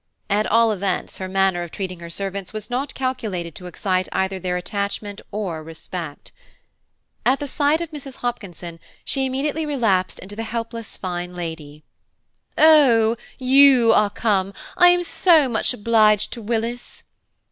At all events, her manner of treating her servants was not calculated to excite either their attachment or respect. At the sight of Mrs. Hopkinson she immediately relapsed into the helpless fine lady: "Oh! you are come–I am so much obliged to Willis."